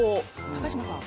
高嶋さん